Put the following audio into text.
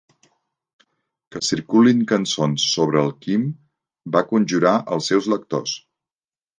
"Que circulin cançons sobre el quim", va conjurar als seus lectors.